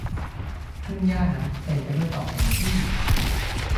ทุ่งหญ้านั้นเต็มไปด้วยดอกเดซี่